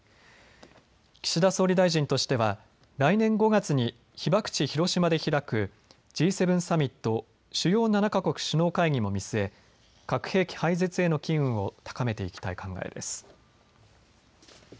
岸田総理大臣としては来年５月に被爆地・広島で開くＧ７サミット・主要７か国首脳会議も見据え、核兵器廃絶への機運を高めていきたい考えです。